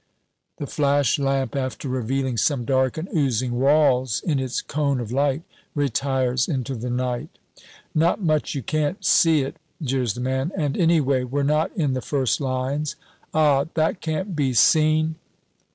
The flash lamp, after revealing some dark and oozing walls in its cone of light, retires into the night. "Not much you can't see it!" jeers the man, "and anyway we're not in the first lines." "Ah, that can't be seen!"